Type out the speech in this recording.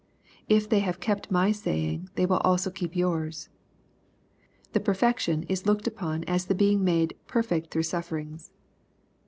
'*" If they have kept my saying they will also keep yours." The perfection is looked upon as the being made ''peifect through sufferings."